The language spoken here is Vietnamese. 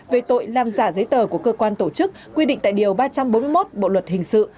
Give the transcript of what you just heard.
về tội làm giả giấy tờ của cơ quan tổ chức quy định tại điều ba trăm bốn mươi một bộ luật hình sự